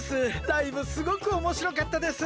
ライブすごくおもしろかったです。